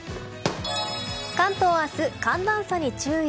関東、明日は寒暖差に注意。